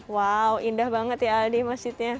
wow indah banget ya aldi masjidnya